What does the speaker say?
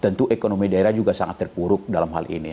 tentu ekonomi daerah juga sangat terpuruk dalam hal ini